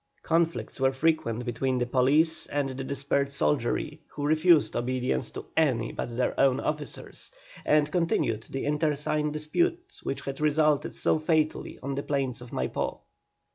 Conflicts were frequent between the police and the dispersed soldiery, who refused obedience to any but their own officers, and continued the internecine dispute which had resulted so fatally on the plains of Maipó.